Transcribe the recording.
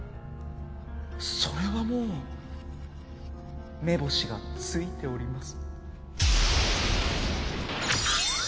それはもう目星がついております。